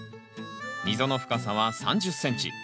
溝の深さは３０ｃｍ。